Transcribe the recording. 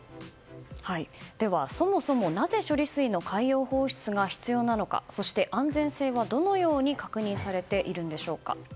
そもそもなぜ処理水の海洋放出が必要なのかそして安全性は、どのように確認されているんでしょうか。